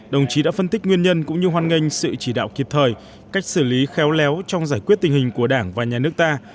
đồng chí đã phân tích nguyên nhân cũng như hoan nghênh sự chỉ đạo kịp thời cách xử lý khéo léo trong giải quyết tình hình của đảng và nhà nước ta